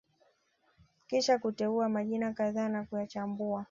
kisha kuteua majina kadhaa na kuyachambua